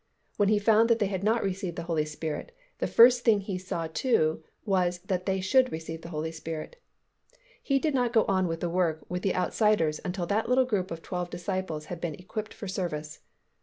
When he found that they had not received the Holy Spirit, the first thing that he saw to was that they should receive the Holy Spirit. He did not go on with the work with the outsiders until that little group of twelve disciples had been equipped for service.